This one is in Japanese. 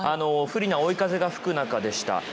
不利な追い風が吹く中でした。